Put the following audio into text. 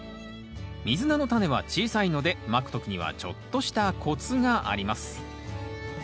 ミズナのタネは小さいのでまく時にはちょっとしたコツがあります